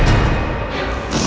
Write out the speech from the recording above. awas guru mah